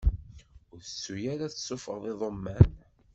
Ur tettu ara ad tessufɣeḍ iḍumman!